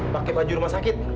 pakai baju rumah sakit